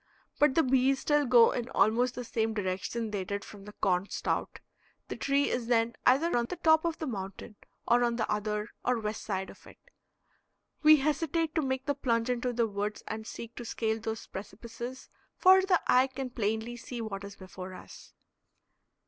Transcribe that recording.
But the bees still go in almost the same direction they did from the corn stout. The tree is then either on the top of the mountain or on the other or west side of it. We hesitate to make the plunge into the woods and seek to scale those precipices, for the eye can plainly see what is before us.